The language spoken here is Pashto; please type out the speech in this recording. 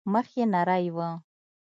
مخ يې نرى و.